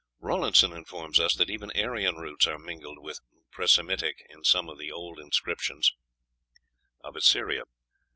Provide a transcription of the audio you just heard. Rawlinson informs us that even Aryan roots are mingled with Presemitic in some of the old inscriptions of Assyria.